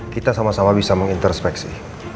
kita sama sama bisa mengintrospeksi